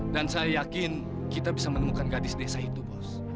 dan saya yakin kita bisa menemukan gadis desa itu bos